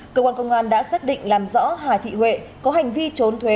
cơ quan công an đã xác định làm rõ hà thị huệ có hành vi trốn thuế